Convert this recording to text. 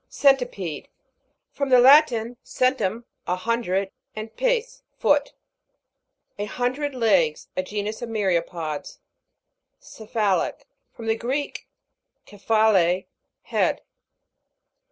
CE'NTIPED. From the Latin, centum, a hundred, and pes, foot. A hun dred legs ; a genus of myriapods. CEPIIA'LIC. From the Greek, kephale, head.